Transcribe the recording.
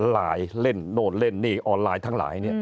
ไลน์เล่นโน้นเล่นออนไลน์ทั้งหลาย